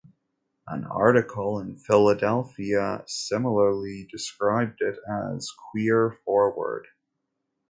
An article in "Philadelphia" similarly described it as "queer forward".